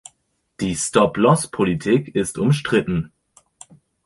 Die "Stop-Loss"-Politik ist umstritten.